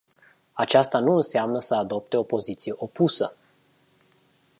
Aceasta nu înseamnă să adopte o poziție opusă.